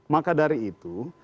maka dari itu